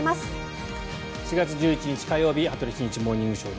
４月１１日、火曜日「羽鳥慎一モーニングショー」。